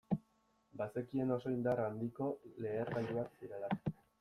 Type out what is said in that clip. Bazekien oso indar handiko lehergailuak zirela.